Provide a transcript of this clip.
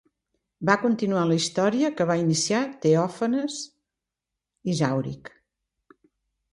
Va continuar la història que va iniciar Teòfanes Isàuric.